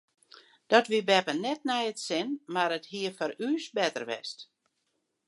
Dat wie beppe net nei it sin mar dat hie foar ús better west.